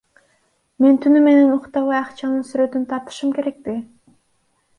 Мен түнү менен уктабай акчанын сүрөтүн тартышым керекпи?